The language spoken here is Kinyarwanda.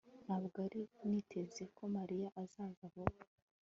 ntabwo nari niteze ko mariya azaza vuba